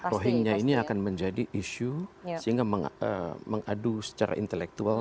rohingnya ini akan menjadi isu sehingga mengadu secara intelektual